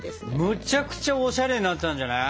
むちゃくちゃおしゃれになったんじゃない？